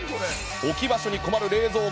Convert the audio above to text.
置き場所に困る冷蔵庫。